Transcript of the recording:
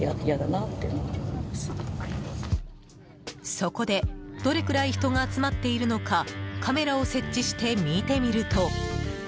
そこでどれくらい人が集まっているのかカメラを設置して、見てみると。